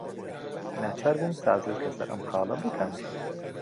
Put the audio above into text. ناچار بووم سازش لەسەر ئەم خاڵە بکەم.